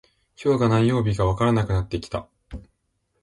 今日が何曜日かわからなくなってきた